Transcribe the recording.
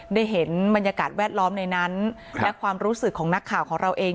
ได้เห็นบรรยากาศแวดล้อมในนั้นและความรู้สึกของนักข่าวของเราเอง